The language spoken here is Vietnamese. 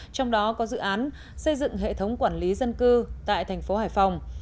trong đó có dự án xây dựng hệ thống quản lý dân cư tại thành phố hải phòng